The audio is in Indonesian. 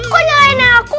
kok nyalahin aku